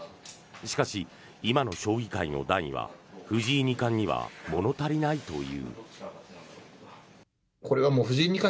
しかし今の将棋界の段位は藤井二冠には物足りないという。